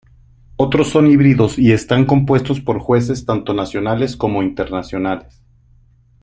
Otros son híbridos y están compuestos por jueces tanto nacionales como internacionales.